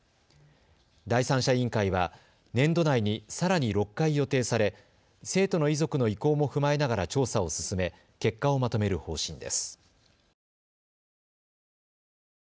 第三者委員会は年度内にさらに６回予定され生徒の遺族の意向も踏まえながら調査を進め結果をまとめる方針です。